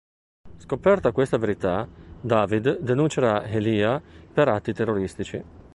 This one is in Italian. Scoperta questa verità, David denuncerà Elijah per atti terroristici.